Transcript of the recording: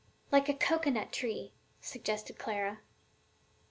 "Like the cocoanut tree," suggested Clara.